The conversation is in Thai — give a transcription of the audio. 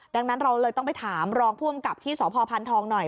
ดังนั้นเราเลยต้องไปถามรองผู้อำกับที่สพพันธองหน่อย